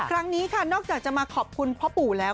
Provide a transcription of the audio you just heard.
ครั้งนี้ค่ะนอกจากจะมาขอบคุณพ่อปู่แล้ว